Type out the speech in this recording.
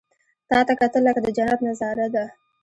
• تا ته کتل، لکه د جنت نظاره ده.